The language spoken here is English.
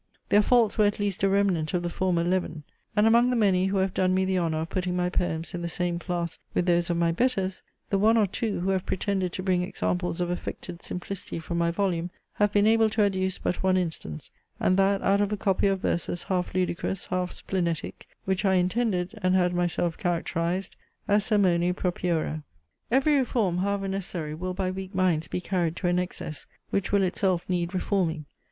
Their faults were at least a remnant of the former leaven, and among the many who have done me the honour of putting my poems in the same class with those of my betters, the one or two, who have pretended to bring examples of affected simplicity from my volume, have been able to adduce but one instance, and that out of a copy of verses half ludicrous, half splenetic, which I intended, and had myself characterized, as sermoni propiora. Every reform, however necessary, will by weak minds be carried to an excess, which will itself need reforming.